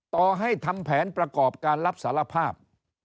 ต่อให้ทำแผนประกอบการรับสารภาพ